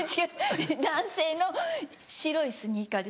男性の白いスニーカーです。